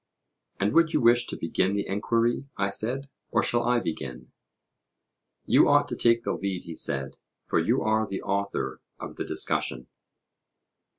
And would you wish to begin the enquiry? I said; or shall I begin? You ought to take the lead, he said; for you are the author of the discussion.